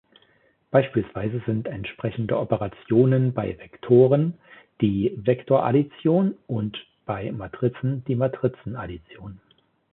Beispielsweise sind entsprechende Operationen bei Vektoren die Vektoraddition und bei Matrizen die Matrizenaddition.